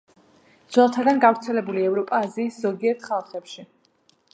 ძველთაგან გავრცელებული ევროპა-აზიის ზოგიერთ ხალხებში.